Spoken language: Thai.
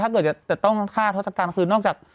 ถ้าจะต้องฆ่าทศกัณฐ์คือนอกจาก